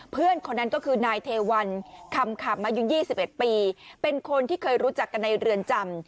เพื่อนคนนั้นก็คือนายเทวันคำขำอายุ๒๑ปีเป็นคนที่เคยรู้จักกันในเรือนจำ